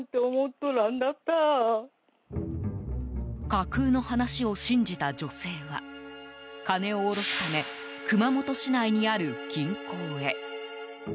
架空の話を信じた女性は金を下ろすため熊本市内にある銀行へ。